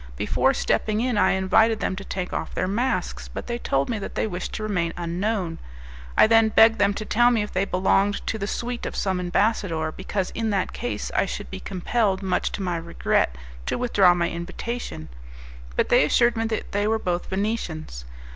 Before stepping in I invited them to take off their masks, but they told me that they wished to remain unknown. I then begged them to tell me if they belonged to the suite of some ambassador, because in that case I should be compelled, much to my regret, to withdraw my invitation; but they assured me that they were both Venetians.